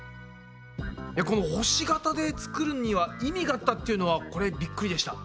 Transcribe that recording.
この星型で作るには意味があったっていうのはこれびっくりでした。